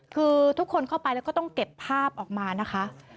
คือทุกคนเข้าไปแล้วก็ต้องเก็บภาพออกมานะคะ